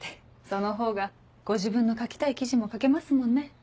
そのほうがご自分の書きたい記事も書けますもんね。